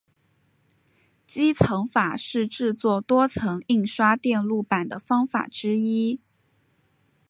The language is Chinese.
积层法是制作多层印刷电路板的方法之一。